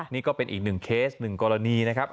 นี่ก็เป็นอีกหนึ่งเคสหนึ่งกรณีนะครับ